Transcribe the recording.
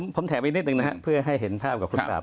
ผมแถมอีกนิดนึงนะครับเพื่อให้เห็นภาพกับคุณปราบ